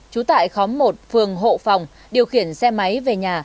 trú tại khóm một phường hộ phòng điều khiển xe máy về nhà